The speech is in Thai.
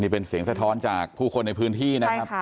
เป็นเสียงสะท้อนจากผู้คนในพื้นที่นะครับ